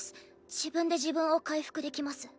自分で自分を回復できます。